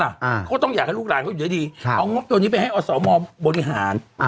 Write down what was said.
เขาก็ต้องอยากให้ลูกหลานเขาอยู่ด้วยดีครับเอางบตัวนี้ไปให้อสมบริหารอ่า